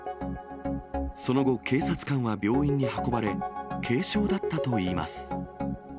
その後、警察官は病院に運ばれ、軽傷だったといいます。